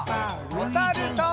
おさるさん。